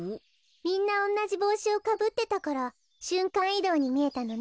みんなおんなじぼうしをかぶってたからしゅんかんいどうにみえたのね。